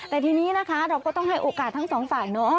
แต่ทีนี้นะคะเราก็ต้องให้โอกาสทั้งสองฝ่ายเนอะ